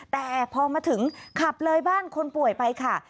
แต่พอมาถึงขับเลยบ้านคนป่วยไปค่ะ